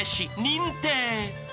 認定］